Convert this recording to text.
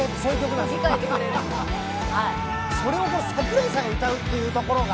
それを桜井さんが歌うっていうところが。